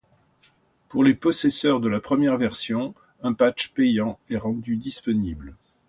Pour les possesseurs de la première version, un patch payant est rendu disponible.